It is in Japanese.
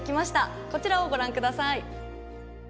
こちらをご覧ください。